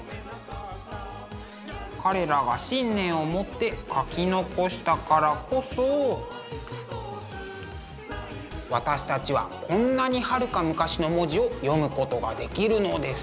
彼らが信念を持って書き残したからこそ私たちはこんなにはるか昔の文字を読むことができるのです。